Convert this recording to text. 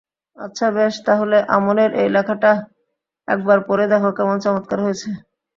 আচ্ছা বেশ, তা হলে অমলের এই লেখাটা একবার পড়ে দেখো কেমন চমৎকার হয়েছে।